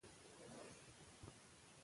دوی ملالۍ یوه اتله ګڼي.